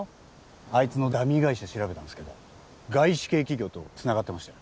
あいつのダミー会社調べたんすけど外資系企業とつながってましたよ。